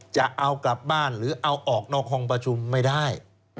จะเอากลับบ้านหรือเอาออกนอกห้องประชุมไม่ได้